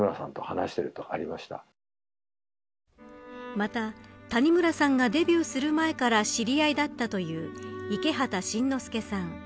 また、谷村さんがデビューする前から知り合いだったという池畑慎之介さん